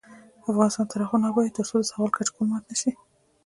افغانستان تر هغو نه ابادیږي، ترڅو د سوال کچکول مات نشي.